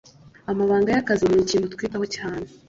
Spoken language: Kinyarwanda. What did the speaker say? Amabanga yakazi nikintu twitaho cyane